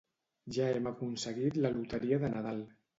Ja hem aconseguit la loteria de Nadal.